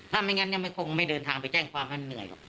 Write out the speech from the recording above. ถ้าไม่งั้นยังไม่คงไม่เดินทางไปแจ้งความให้มันเหนื่อยหรอก